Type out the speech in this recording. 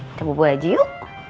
kita bubuk aja yuk